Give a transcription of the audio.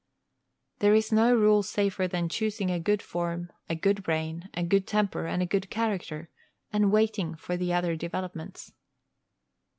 There is no rule safer than choosing a good form, a good brain, a good temper, and a good character, and waiting for the other developments.